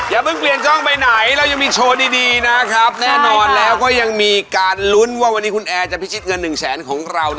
อย่าเพิ่งเปลี่ยนช่องไปไหนเรายังมีโชว์ดีนะครับแน่นอนแล้วก็ยังมีการลุ้นว่าวันนี้คุณแอร์จะพิชิตเงิน๑แสนของเรา